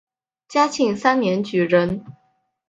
嘉庆三年举人。